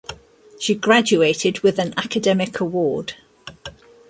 She graduated with an academic award.